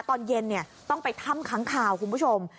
ตอนเย็นต้องไปถ้ำค้างคาวคุณผู้ชม